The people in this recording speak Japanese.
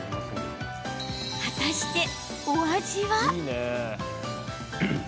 果たしてお味は？